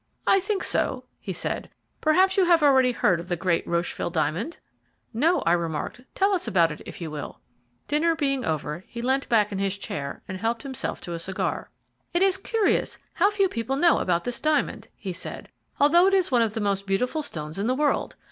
"I think so," he said. "Perhaps you have already heard of the great Rocheville diamond?" "No," I remarked; "tell us about it, if you will." Dinner being over, he leant back in his chair and helped himself to a cigar. "It is curious how few people know about this diamond," he said, "although it is one of the most beautiful stones in the world.